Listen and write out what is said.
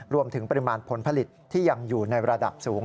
รวมถึงปริมาณผลผลิตที่ยังอยู่ในระดับสูง